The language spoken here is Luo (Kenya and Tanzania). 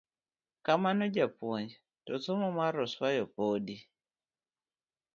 Kamano japuponj, to somo mar oswayo podi….